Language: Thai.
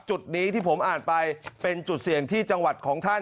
จุดนี้ที่ผมอ่านไปเป็นจุดเสี่ยงที่จังหวัดของท่าน